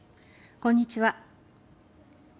こんにちは。